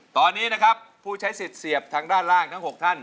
ตอนนี้นะครับผู้ใช้สิทธิ์เสียบทางด้านล่างทั้ง๖ท่าน